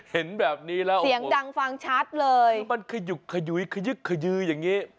เห็นแบบนี้แล้วเสียงดังฟังชัดเลยคือมันขยุกขยุยขยึกขยืออย่างนี้